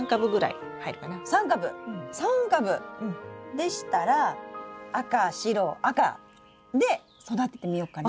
でしたら赤白赤で育ててみよっかな！